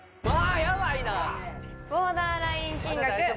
ボーダーライン金額